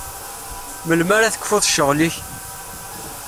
Melmi ara tekfuḍ ccɣel-ik?